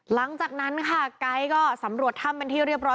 หลังจากนั้นค่ะไกด์ก็สำรวจถ้ำเป็นที่เรียบร้อย